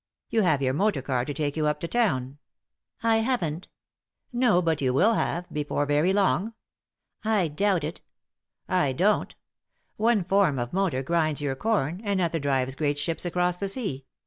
You have your motor car to take you up to town." "I haven't" "No, but you will have, before very long." "I doubt it" "I don't One form of motor grinds your com, another drives great ships across the sea.